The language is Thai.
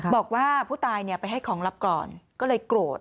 บอกว่าผู้ตายไปให้ของลับก่อนก็เลยโกรธ